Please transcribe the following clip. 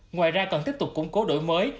ngoài ra còn tiếp tục củng cố đổi mới